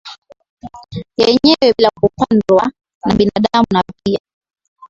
yenyewe bila kupandwa na binadamu na pia